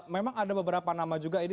memang ada beberapa nama juga ini